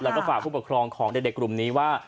แล้วก็ฝากผู้ปกครองของเด็กกลุ่มนี้ว่า